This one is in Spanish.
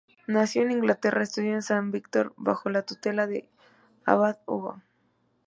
Nacido en Inglaterra, estudió a San Víctor bajo la tutela del abad Hugo.